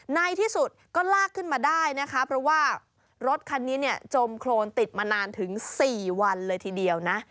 ในที่สุดก็ลากขึ้นมาได้นะคะเพราะว่ารถคันนี้เนี่ยจมโครนติดมานานถึง๔วันเลยทีเดียวนะ